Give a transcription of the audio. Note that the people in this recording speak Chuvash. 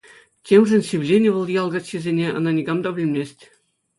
Темшӗн сивленӗ вӑл ял каччисене, ӑна никам та пӗлмест.